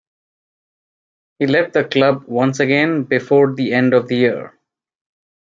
He left the club once again before the end of the year.